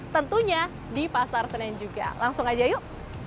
tentunya di pasar senen juga langsung aja yuk